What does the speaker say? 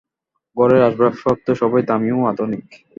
ঘরের আসবাবপত্র সবই দামী ও আধুনিক।